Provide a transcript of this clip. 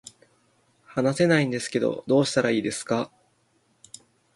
話せないんですけどどうしたらいいですか